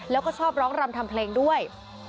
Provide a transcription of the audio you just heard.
แล้วก็ชอบร้องรำทำเพลงด้วย